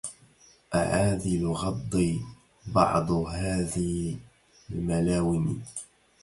أعاذل غضي بعض هذي الملاوم